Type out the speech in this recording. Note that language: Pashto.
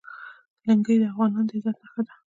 لنګۍ د افغانانو د عزت نښه ده.